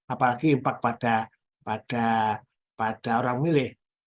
apalagi impact pada orang milih